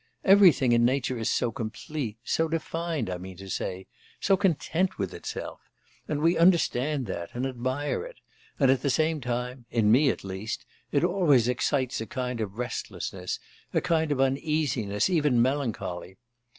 Everything in nature is so complete, so defined, I mean to say, so content with itself, and we understand that and admire it, and at the same time, in me at least, it always excites a kind of restlessness, a kind of uneasiness, even melancholy.